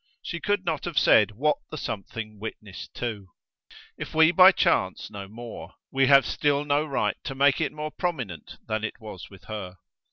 She could not have said what the something witnessed to. If we by chance know more, we have still no right to make it more prominent than it was with her.